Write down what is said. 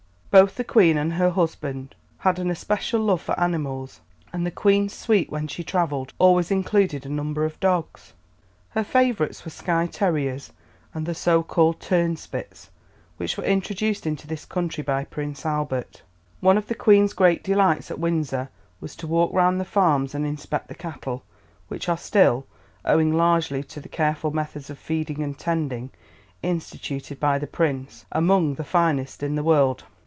Both the Queen and her husband had an especial love for animals, and the Queen's suite, when she travelled, always included a number of dogs. Her favourites were Skye terriers and the so called 'turnspits' which were introduced into this country by Prince Albert. One of the Queen's great delights at Windsor was to walk round the farms and inspect the cattle, which are still, owing largely to the careful methods of feeding and tending instituted by the Prince, among the finest in the world.